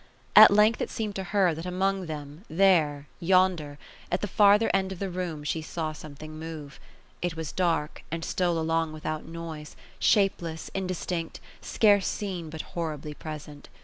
At length it seemed to her, that among them, — there — yonder — at the farther end of the room, she saw something move. It was dark, and stole along without noise ; shapeless, indistinct, scarce seen, but horribly present.